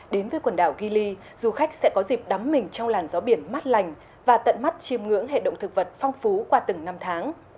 đến với quần đảo gilley du khách sẽ có dịp đắm mình trong làn gió biển mát lành và tận mắt chiêm ngưỡng hệ động thực vật phong phú qua từng năm tháng